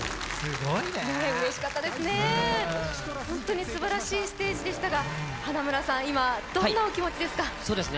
本当にすばらしいステージでしたがどんなお気持ちですか？